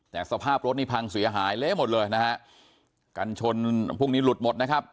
แต่สภาพรถนี่พังเสียหายเละหมดเลยนะฮะกันชนพวกนี้หลุดหมดนะครับ